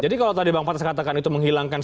jadi kalau tadi bang patras menghilangkan